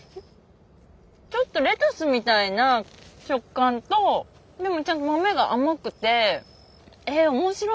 ちょっとレタスみたいな食感とでもちゃんと豆が甘くて面白い！